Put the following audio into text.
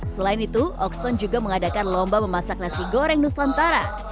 selain itu okson juga mengadakan lomba memasak nasi goreng nusantara